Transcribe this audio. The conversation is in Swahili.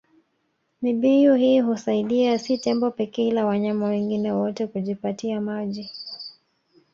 Mibuyu hii husaidia si tembo pekee ila wanyama wengine wote kujipatia maji